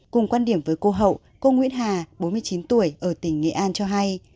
cùng quan điểm với cô hậu cô nguyễn hà bốn mươi chín tuổi ở tỉnh nghệ an cho hay